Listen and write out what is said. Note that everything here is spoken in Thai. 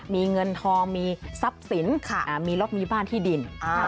มีเงินทองมีทรัพย์สินมีรถมีบ้านที่ดิน